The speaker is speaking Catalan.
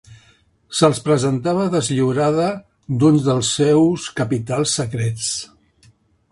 Se'ls presentava deslliurada d'un dels seus capitals secrets.